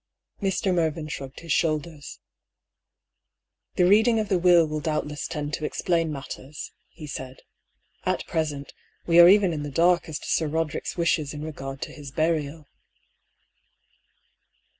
Mr. Mervyn shrugged his shoulders. THE LOCKET. lOY " The reading of the Will will doubtless tend to explain matters," he said. "At present, we are even in the dark as to Sir Roderick's wishes in regard to his burial."